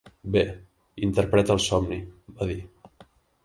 "Bé, interpreta el somni", va dir.